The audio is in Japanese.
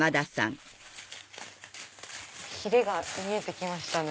ひれが見えて来ましたね。